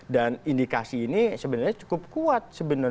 dan indikasi ini sebenarnya cukup kuat